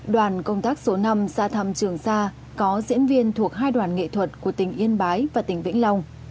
đoàn công tác số năm xa thăm trường sa có diễn viên thuộc hai đoàn nghệ thuật của tỉnh yên bái và tỉnh vĩnh long